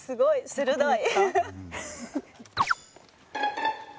鋭い！